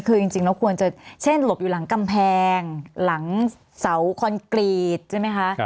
คือจริงเราควรจะเช่นหลบอยู่หลังกำแพงหลังเสาคอนกรีตใช่ไหมคะ